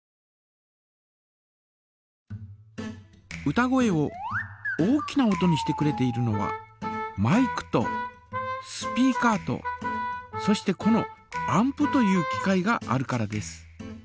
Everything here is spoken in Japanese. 歌声を大きな音にしてくれているのはマイクとスピーカーとそしてこのアンプという機械があるからです。